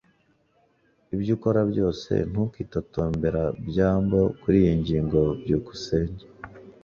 Ibyo ukora byose, ntukitotombera byambo kuriyi ngingo. byukusenge